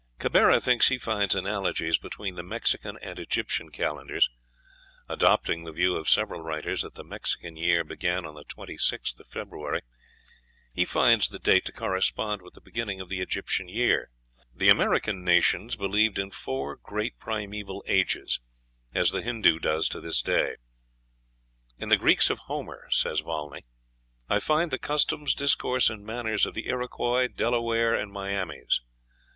Cabera thinks he finds analogies between the Mexican and Egyptian calendars. Adopting the view of several writers that the Mexican year began on the 26th of February, he finds the date to correspond with the beginning of the Egyptian year. The American nations believed in four great primeval ages, as the Hindoo does to this day. "In the Greeks of Homer," says Volney, "I find the customs, discourse, and manners of the Iroquois, Delawares, and Miamis.